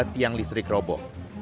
tiang listrik roboh